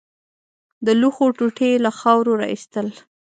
د لوښو ټوټې يې له خاورو راايستل.